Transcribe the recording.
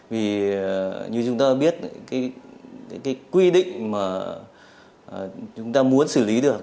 vì như chúng ta biết cái quy định mà chúng ta muốn xử lý được